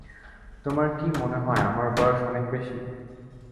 তোমার কি মনে হয় আমার বয়স অনেক বেশি?